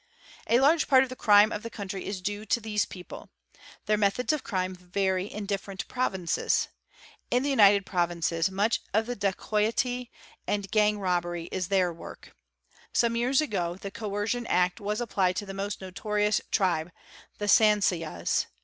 _ "A large part of the crime of the country is due to these people. Their methods of crime vary in different provinces. In the United Provinces A LRU PN ETRE LREANA RL LTE EERO TW BR 1 auch of the dacoity and gang robbery is their work. Some years ago the Coercion Act was applied to the most notorious tribe, the Sansiyas.